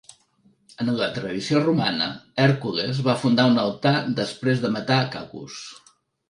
En la tradició romana, Hèrcules va fundar un altar després de matar Cacus.